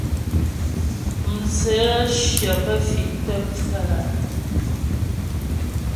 Mtsə̂shyə pə́ fì'tə pfə́lǎ'.